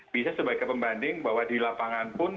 bisa sebagai pembanding bahwa di lapangan pun